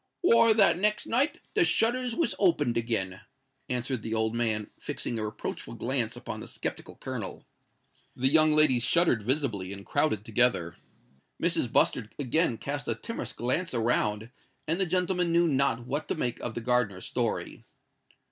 "Why, that next night the shutters was opened again," answered the old man, fixing a reproachful glance upon the sceptical Colonel. The young ladies shuddered visibly, and crowded together;—Mrs. Bustard again cast a timorous glance around;—and the gentlemen knew not what to make of the gardener's story.